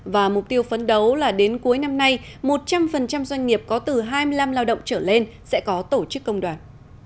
và mục tiêu phấn đấu là đến cuối năm nay một trăm linh doanh nghiệp có từ hai mươi năm lao động trở lên sẽ có tổ chức công đoàn